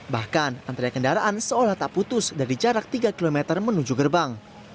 bahkan antrean kendaraan seolah tak putus dari jarak tiga km menuju gerbang